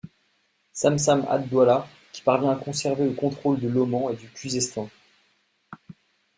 Samsâm ad-Dawla qui parvient à conserver le contrôle de l'Oman et du Khuzestân.